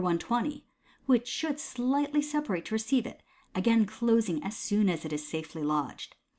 120), which should slightly se| irate to receive it, again clos ing as soon as it is safely lodged.